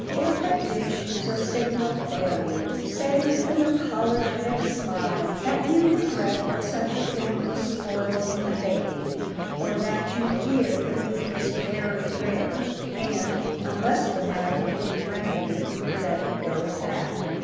If a dish is a signal failure, say with an apologetic smile that you regret that such a thing was spoiled in the baking, or that you fear the meat is very rare, and, unless the matter can be remedied, let it go at that.